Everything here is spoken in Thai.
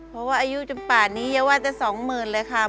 เพราะว่าอายุจนป่านนี้อย่าว่าจะ๒๐๐๐เลยค่ะ